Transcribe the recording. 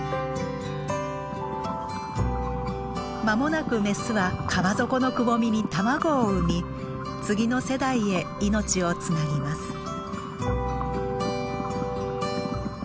間もなくメスは川底のくぼみに卵を産み次の世代へ命をつなぎます。